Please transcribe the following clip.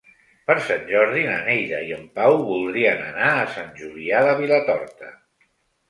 Per Sant Jordi na Neida i en Pau voldrien anar a Sant Julià de Vilatorta.